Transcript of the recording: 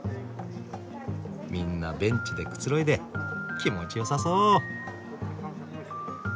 みんなベンチでくつろいで気持ちよさそう。